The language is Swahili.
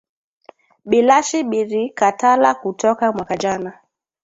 Bilashi biri katala ku toka mwaka jana